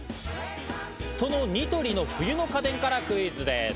そのニトリの冬の家電からクイズです。